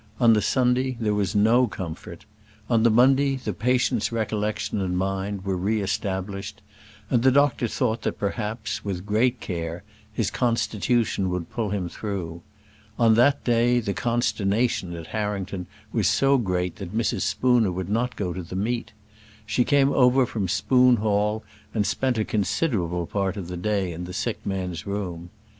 On the Sunday there was no comfort. On the Monday the patient's recollection and mind were re established, and the doctor thought that perhaps, with great care, his constitution would pull him through. On that day the consternation at Harrington was so great that Mrs. Spooner would not go to the meet. She came over from Spoon Hall, and spent a considerable part of the day in the sick man's room.